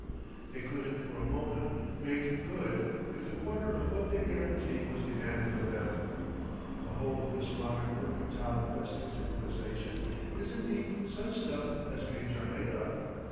They couldn't for a moment "make good" if the quarter of what they guarantee was demanded of them. The whole of this modern mercantile investing civilisation is indeed such stuff as dreams are made of.